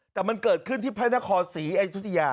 แต่มันเกิดขึ้นที่พระนครศรีอยุธยา